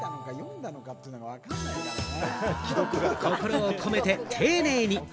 心を込めて丁寧に。